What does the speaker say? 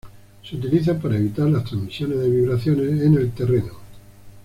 Se utilizan para evitar la transmisión de vibraciones en el terreno.